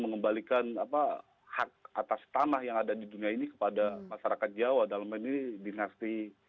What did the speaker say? mengembalikan hak atas tanah yang ada di dunia ini kepada masyarakat jawa dalam ini dinasti